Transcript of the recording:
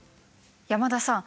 山田さん